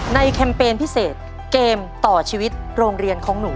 แคมเปญพิเศษเกมต่อชีวิตโรงเรียนของหนู